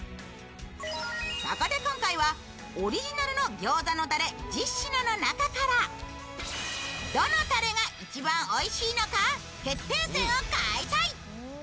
そこで今回はオリジナルのギョーザのタレ１０品の中からどのタレが一番おいしいのか決定戦を開催。